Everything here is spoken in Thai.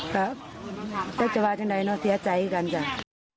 ครับเจ้าจะว่ายังไงเนอะเสียใจกันจ้ะ